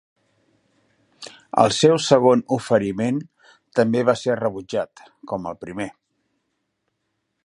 El seu segon oferiment també va ser rebutjat, com el primer.